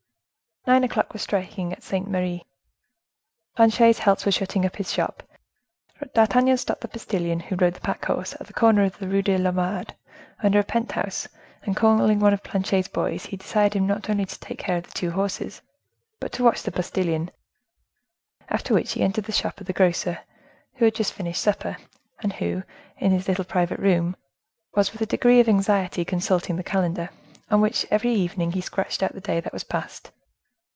Nine o'clock was striking at Saint Merri. Planchet's helps were shutting up his shop. D'Artagnan stopped the postilion who rode the pack horse, at the corner of the Rue des Lombards, under a pent house, and calling one of Planchet's boys, he desired him not only to take care of the two horses, but to watch the postilion; after which he entered the shop of the grocer, who had just finished supper, and who, in his little private room, was, with a degree of anxiety, consulting the calendar, on which, every evening, he scratched out the day that was past.